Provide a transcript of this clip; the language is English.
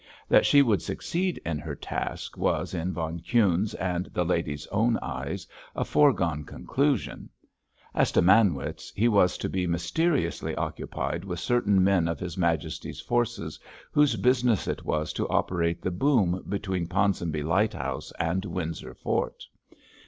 That she would succeed in her task was, in von Kuhne's and the lady's own eyes, a foregone conclusion. As to Manwitz, he was to be mysteriously occupied with certain men of his Majesty's forces whose business it was to operate the boom between Ponsonby Lighthouse and Windsor Fort.